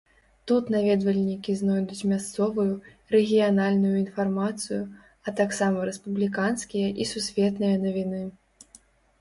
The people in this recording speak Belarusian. Тут наведвальнікі знойдуць мясцовую, рэгіянальную інфармацыю, а таксама рэспубліканскія і сусветныя навіны.